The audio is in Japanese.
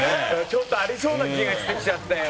「ちょっとありそうな気がしてきちゃったよ」